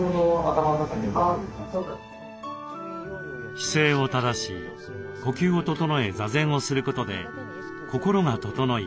姿勢を正し呼吸を整え座禅をすることで心が整い